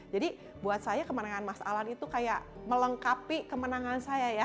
jadi buat saya kemenangan mas alan itu kayak melengkapi kemenangan saya ya